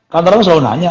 karena orang selalu nanya